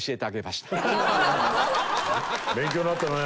勉強になったね。